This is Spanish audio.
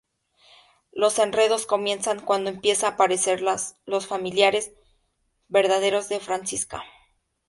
Los enredos comienzan cuando empiezan a aparecer los familiares verdaderos de Francisca.